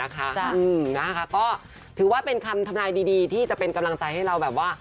ก็ถือว่าเป็นคำทำนายดีที่จะเป็นกำลังใจให้เราแบบว่า